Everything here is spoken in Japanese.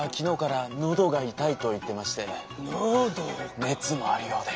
熱もあるようで。